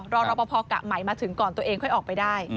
รอรอปภกะใหม่มาถึงก่อนตัวเองค่อยออกไปได้